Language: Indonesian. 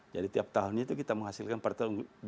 jadi tiap tahun itu kita menghasilkan paritas unggul